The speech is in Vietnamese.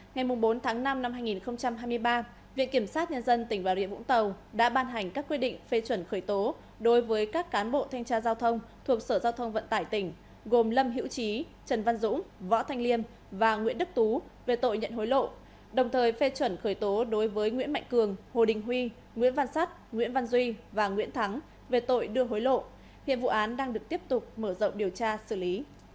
ngày bốn tháng năm năm hai nghìn hai mươi ba viện kiểm sát nhân dân tỉnh bà rịa vũng tàu đã ban hành các quy định phê chuẩn khởi tố đối với các cán bộ thanh tra giao thông thuộc sở giao thông vận tải tỉnh gồm lâm hiễu trí trần văn dũng võ thanh liêm và nguyễn đức tú về tội nhận hối lộ đồng thời phê chuẩn khởi tố đối với nguyễn mạnh cường hồ đình huy nguyễn văn sắt nguyễn văn duy và nguyễn thắng về tội đưa hối lộ hiện vụ án đang được tiếp tục mở rộng điều tra xử lý